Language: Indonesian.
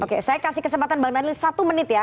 oke saya kasih kesempatan pak dhani satu menit ya